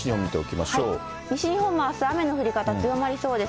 西日本もあす、雨の降り方強まりそうです。